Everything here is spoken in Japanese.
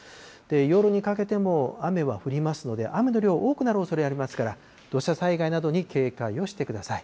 夜にかけても、雨は降りますので、雨の量、多くなるおそれありますから、土砂災害などに警戒をしてください。